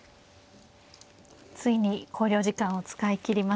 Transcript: ついに考慮時間を使い切りました。